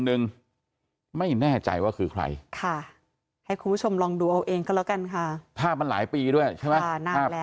โอ้โหเรื่องมันไร้สาระมากจริง